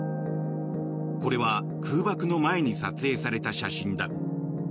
これは空爆の前に撮影された写真だ。